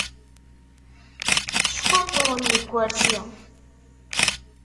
Ckunṭḍen deg ukersi.